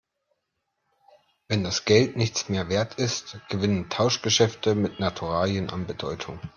Wenn das Geld nichts mehr Wert ist, gewinnen Tauschgeschäfte mit Naturalien an Bedeutung.